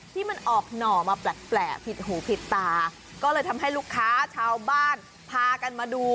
ที่มันออกหน่อมาแปลกผิดหูผิดตาก็เลยทำให้ลูกค้าชาวบ้านพากันมาดู